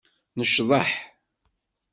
Necḍeḥ.